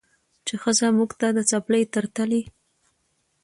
چې ښځه موږ ته د څپلۍ تر تلي